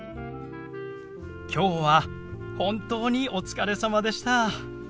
今日は本当にお疲れさまでした。